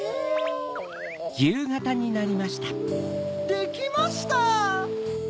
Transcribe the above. できました！